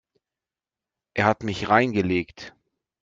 Er hat mich reingelegt.